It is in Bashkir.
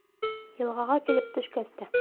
Йылғаға килеп төшкәс тә: